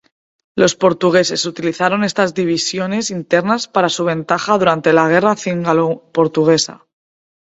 Los portugueses utilizaron estas divisiones internas para su ventaja durante la guerra cingalo-portuguesa.